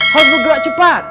harus bergerak cepat